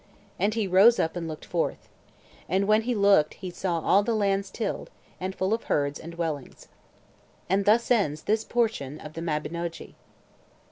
And he rose up and looked forth. And when he looked he saw all the lands tilled, and full of herds and dwellings. And thus ends this portion of the Mabinogi.